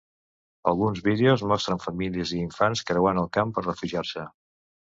Alguns vídeos mostren famílies i infants creuant el camp per a refugiar-se.